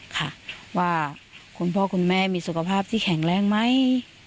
ค่ะว่าคุณพ่อคุณแม่มีสุขภาพที่แข็งแรงไหม